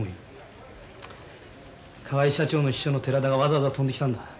河合社長の秘書の寺田がわざわざ飛んできたんだ。